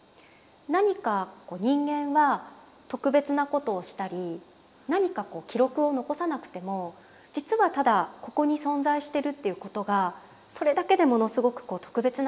何か人間は特別なことをしたり何か記録を残さなくても実はただここに存在してるっていうことがそれだけでものすごく特別なんだと。